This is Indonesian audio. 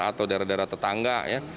atau daerah daerah tetangga